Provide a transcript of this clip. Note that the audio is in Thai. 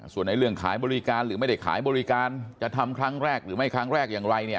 ส่วนเรื่องขายบริการหรือไม่ได้ขายบริการจะทำครั้งแรกหรือไม่ครั้งแรกอย่างไรเนี่ย